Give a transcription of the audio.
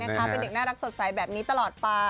เป็นเด็กน่ารักสดใสแบบนี้ตลอดไป